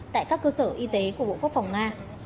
tại các cơ sở y tế của bộ quốc phòng nga